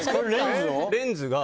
レンズを？